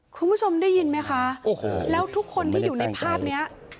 คุณผู้ชมได้ยินไหมคะโอ้โหแล้วทุกคนที่อยู่ในภาพเนี้ย